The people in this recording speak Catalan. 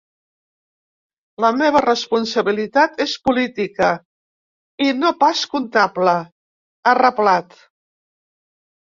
La meva responsabilitat és política i no pas comptable, ha reblat.